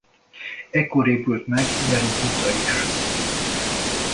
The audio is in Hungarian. Ekkor épült meg Jero huta is.